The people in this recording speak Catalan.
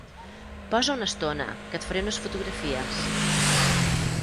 Posa una estona, que et faré unes fotografies.